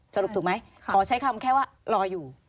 สรุปถูกไหมขอใช้คำแค่ว่ารออยู่